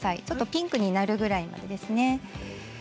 ちょっとピンクになるくらいまでですね。